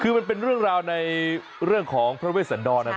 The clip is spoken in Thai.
คือมันเป็นเรื่องราวในเรื่องของพระเวช